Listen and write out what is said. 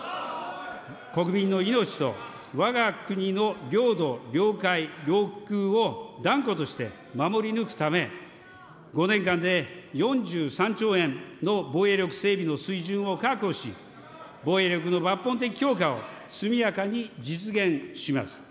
国民の命とわが国の領土、領海、領空を断固として守り抜くため、５年間で４３兆円の防衛力整備の水準を確保し、防衛力の抜本的強化を速やかに実現します。